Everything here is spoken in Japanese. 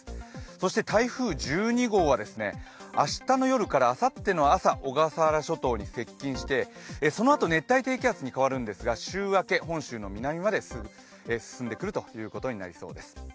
そして台風１２号は明日の夜からあさっての朝、小笠原諸島に接近して、そのあと熱帯低気圧に変わるんですが、週明け、本州の南まで進むことになります。